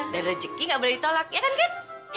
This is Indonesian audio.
dan rejeki nggak boleh ditolak ya kan kan